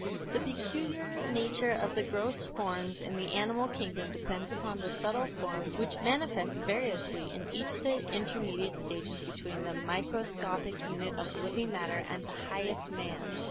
The peculiar nature of the gross forms in the animal kingdom depends upon the subtle forms which manifest variously in each of the intermediate stages between the microscopic unit of living matter and the highest man.